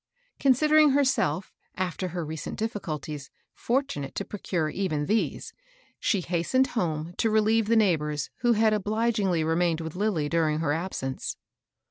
Considering herself, after her recent difficulties, fortunate to procure even these, she hastened home to relieve the neighbors, who had obligingly re mained with Lilly during her absence.